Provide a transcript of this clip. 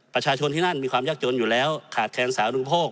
ประชาชนที่นั่นมีความยักษ์ยนต์อยู่แล้วขาดแค้นสาวนุ่มโภค